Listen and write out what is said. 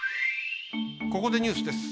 ここでニュースです。